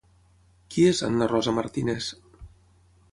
Qui és Anna Rosa Martínez?